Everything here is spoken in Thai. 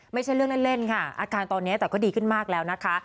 ไม่ใช่เรื่องเล่นค่ะอาการตอนนี้แต่ก็ดีขึ้นมากแล้วนะคะ